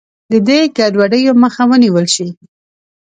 د دې ګډوډیو مخه ونیول شي.